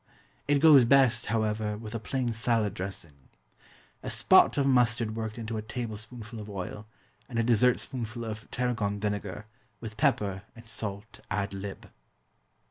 It goes best, however, with a plain salad dressing a "spot" of mustard worked into a tablespoonful of oil, and a dessert spoonful of tarragon vinegar, with pepper and salt ad lib.